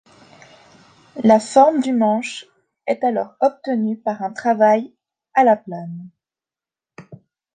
La forme du manche est alors obtenue par un travail à la plane.